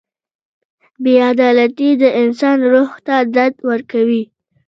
• بې عدالتي د انسان روح ته درد ورکوي.